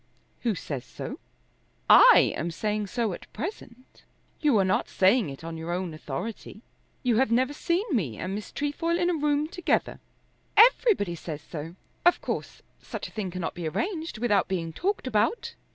"Who says so?" "I am saying so at present." "You are not saying it on your own authority. You have never seen me and Miss Trefoil in a room together." "Everybody says so. Of course such a thing cannot be arranged without being talked about."